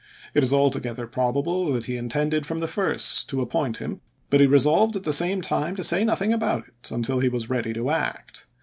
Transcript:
It is altogether probable that he intended from the first to appoint him, but he resolved at the same time to say noth ing about it until he was ready to act.